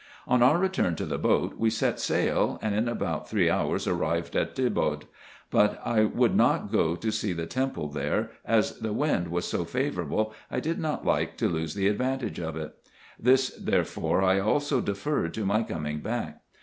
On our return to the boat we set sail, and in about three hours arrived at Debod : but I would not go to see the temple there, as the wind was so favourable I did not like to lose the advantage of it. This, therefore, I also deferred to my coming back.